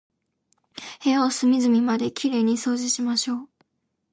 部屋を隅々まで綺麗に掃除しましょう。